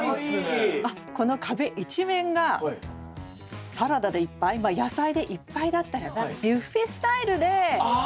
この壁一面がサラダでいっぱいまあ野菜でいっぱいだったらばビュッフェスタイルで収穫が楽しめるんですよ。